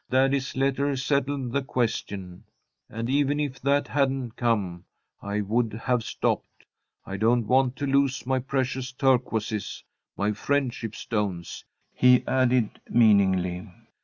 Daddy's letter settled the question. And even if that hadn't come, I would have stopped. I don't want to lose my precious turquoises my friendship stones," he added, meaningly.